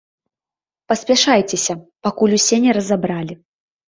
Паспяшайцеся, пакуль усе на разабралі.